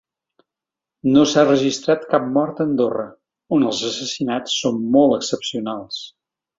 No s’ha registrat cap mort a Andorra, on els assassinats són molt excepcionals.